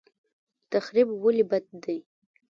تخریب ولې بد دی؟